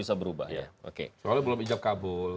soalnya belum ijab kabul